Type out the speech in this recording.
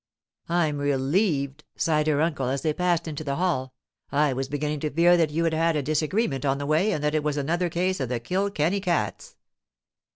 'I'm relieved!' sighed her uncle as they passed into the hall. 'I was beginning to fear that you had had a disagreement on the way, and that it was another case of the Kilkenny cats.